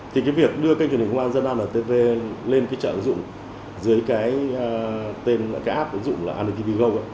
thì việc đưa kênh truyền hình công an dân an tv lên trở ứng dụng dưới app ứng dụng antv go